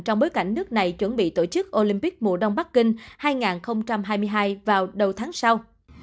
trong bối cảnh nước này chuẩn bị tổ chức olympic mùa đông bắc kinh hai nghìn hai mươi hai vào đầu tháng sau